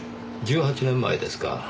１８年前ですか。